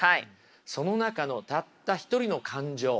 その中のたった一人の感情。